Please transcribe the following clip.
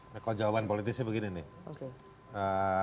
nah kalau jawaban politisnya begini nih